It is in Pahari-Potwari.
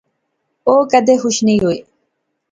او کیدے خوش نی ہوئے